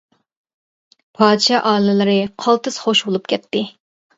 پادىشاھ ئالىيلىرى قالتىس خوش بولۇپ كەتتى.